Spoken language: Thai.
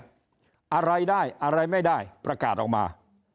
อะไรได้อะไรไม่ได้ประกาศออกมา